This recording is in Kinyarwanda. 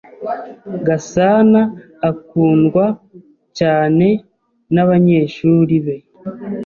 Gasanaakundwa cyane nabanyeshuri be.